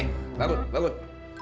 eh bangun bangun